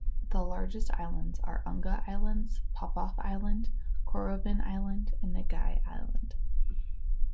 The largest islands are Unga Island, Popof Island, Korovin Island, and Nagai Island.